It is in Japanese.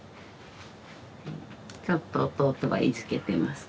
ちょっと弟がいじけてます。